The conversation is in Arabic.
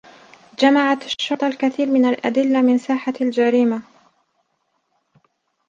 جمعت الشّرطة الكثير من الأدلّة من ساحة الجريمة.